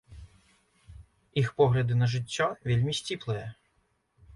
Іх погляды на жыццё вельмі сціплыя.